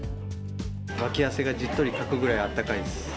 わき汗がじっとりかくぐらいあったかいです。